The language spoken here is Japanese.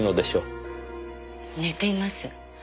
寝ています。